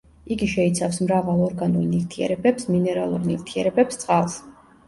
იგი შეიცავს მრავალ ორგანულ ნივთიერებებს, მინერალურ ნივთიერებებს, წყალს.